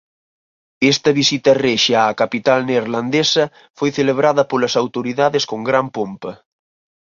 Esta visita rexia á capital neerlandesa foi celebrada polas autoridades con gran pompa.